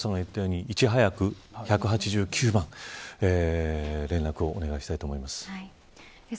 もしや、と思ったらカズさんが言ったようにいち早く、１８９番に連絡をお願いしたいと思います。